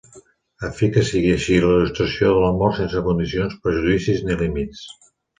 A fi que sigui així la il·lustració de l'amor sense condicions, prejudicis ni límits.